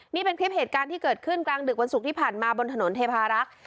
นี่เป็นคลิปเหตุการณ์ที่เกิดขึ้นกลางดึกวันศุกร์ที่ผ่านมาบนถนนเทพารักษ์